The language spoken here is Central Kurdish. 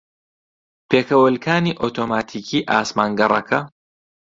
پێکەوەلکانی ئۆتۆماتیکیی ئاسمانگەڕەکە